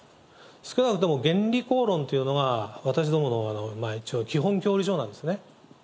少なくとも、原理講論というのが、私どもの一応基本教条なんですね。